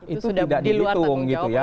itu sudah dihitung gitu ya